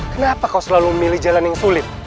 kenapa kau selalu milih jalan yang sulit